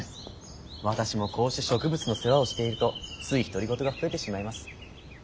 私もこうして植物の世話をしているとつい独り言が増えてしまいます。